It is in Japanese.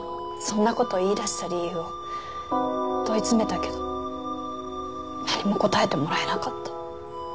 そんな事言い出した理由を問い詰めたけど何も答えてもらえなかった。